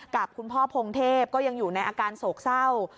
กับคุณพ่อพงเทพก็ยังอยู่ในอาการโศกเศร้า